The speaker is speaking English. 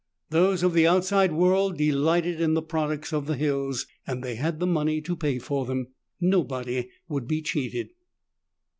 Those of the outside world delighted in the products of the hills, and they had the money to pay for them. Nobody would be cheated.